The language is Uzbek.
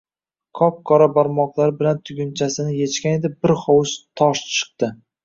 Qop-qora barmoqlari bilan tugunchasini yechgan edi, bir hovuch tosh chiqdi.